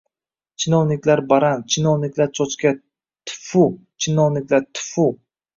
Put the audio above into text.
Chinovniklar baran! Chinovniklar cho‘chqa! T-fu, chinovniklar, t-fu!